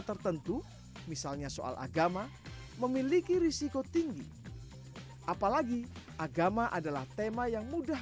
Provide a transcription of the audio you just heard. tertentu misalnya soal agama memiliki risiko tinggi apalagi agama adalah tema yang mudah